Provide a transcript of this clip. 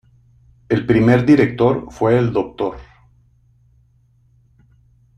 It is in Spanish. El primer Director fue el Dr.